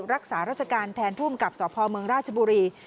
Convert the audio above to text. รักษารัชการแทนทุ่มกับสอบภอมเมืองราชบุรี